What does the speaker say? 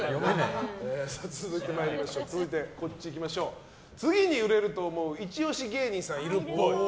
続いて、次に売れると思うイチオシ芸人さんいるっぽい。